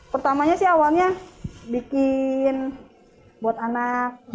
pertamanya sih awalnya bikin buat anak